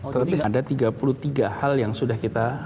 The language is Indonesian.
tapi ada tiga puluh tiga hal yang sudah kita